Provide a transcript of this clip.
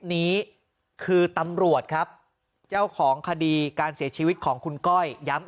นี้คือตำรวจครับเจ้าของคดีการเสียชีวิตของคุณก้อยย้ำ